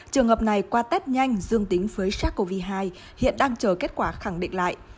trường hợp này qua test nhanh dương tính với sars cov hai hiện đang chờ kết quả khẳng định lại